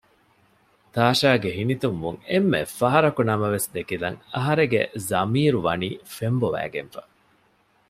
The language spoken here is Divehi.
ތާޝާގެ ހިނިތުންވުން އެންމެ ފަހަރަކު ނަމަވެސް ދެކިލަން އަހަރެގެ ޒަމީރު ވަނީ ފެންބޮވައިގެންފަ